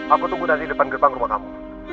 aku tunggu nanti depan gerbang rumah kamu